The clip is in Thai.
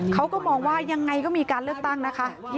เขาก็มองว่ายังไงก็มีการเลือกตั้งนะคะ